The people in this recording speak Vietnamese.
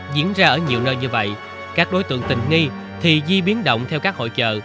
diễn ra ở nhiều nơi như vậy các đối tượng tình nghi thì di biến động theo các hội trợ